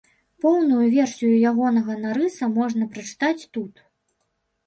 Поўную версію ягонага нарыса можна прачытаць тут.